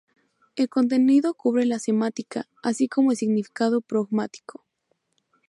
El contenido cubre la semántica, así como el significado pragmático.